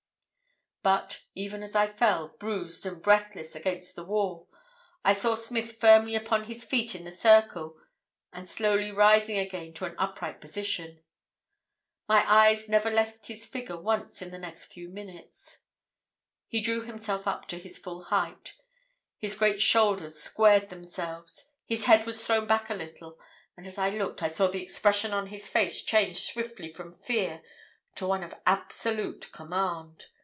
"But, even as I fell, bruised and breathless, against the wall, I saw Smith firmly upon his feet in the circle and slowly rising again to an upright position. My eyes never left his figure once in the next few minutes. "He drew himself up to his full height. His great shoulders squared themselves. His head was thrown back a little, and as I looked I saw the expression on his face change swiftly from fear to one of absolute command.